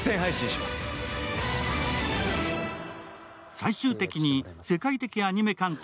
最終的に世界的アニメ監督